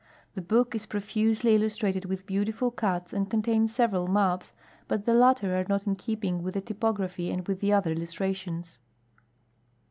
The book is profusely illustrated with beautiful cuts, and contains several maps, but the latter are not in keeping with the typography and with the other illustrations.